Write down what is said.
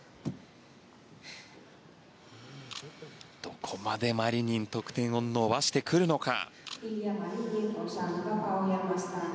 どこまでマリニン得点を伸ばしてくるのか。